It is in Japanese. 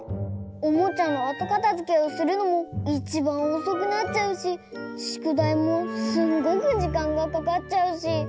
おもちゃのあとかたづけをするのもいちばんおそくなっちゃうししゅくだいもすんごくじかんがかかっちゃうし。